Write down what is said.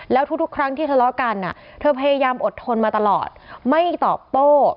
แล้วทุกครั้งที่ทะเลาะกันเธอพยายามอดทนมาตลอดไม่ตอบโต้